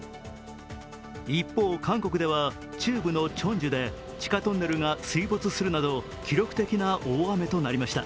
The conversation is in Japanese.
一方、韓国では中部のチョンジュで地下トンネルが水没するなど、記録的な大雨となりました。